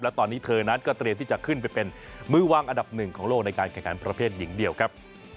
และตอนนี้เธอนั้นก็เตรียมที่จะขึ้นไปเป็นมือวางอันดับหนึ่งของโลกในการแข่งขันประเภทหญิงเดียวครับ